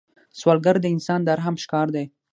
سوالګر د انسان د رحم ښکار دی